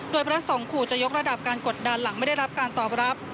โดยพระสงฆ์ขู่จะยกระดับการกดดันหลังไม่ได้รับการตอบรับ